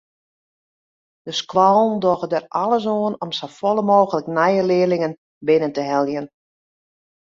De skoallen dogge der alles oan om safolle mooglik nije learlingen binnen te heljen.